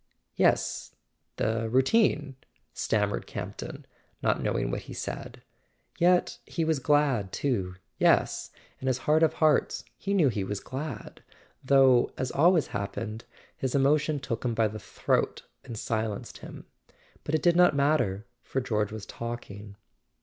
"Yes—the routine " stammered Campton, not knowing what he said. Yet he was glad too; yes, in his heart of hearts he knew he was glad; though, as always happened, his emotion took him by the throat and silenced him. But it did not matter, for George was talking.